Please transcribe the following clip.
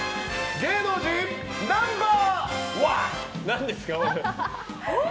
芸能人ナンバー２。